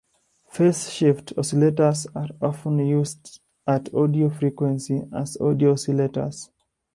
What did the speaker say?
Phase-shift oscillators are often used at audio frequency as audio oscillators.